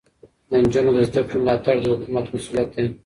د نجونو زده کړې ملاتړ د حکومت مسؤلیت دی.